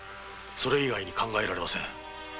それ以外考えられません。